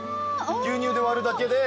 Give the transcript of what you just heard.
牛乳で割るだけで。